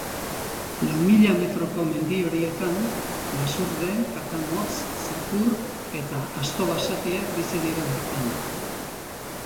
Lau mila metroko mendi horietan basurde, katamotz, zakur eta asto basatiak bizi dira bertan.